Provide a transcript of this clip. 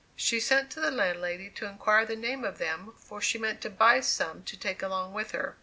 She sent to the landlady to inquire the name of them, for she meant to buy some to take along with her.